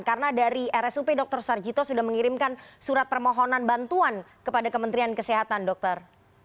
karena dari rsup dokter sarjito sudah mengirimkan surat permohonan bantuan kepada kementerian kesehatan dokter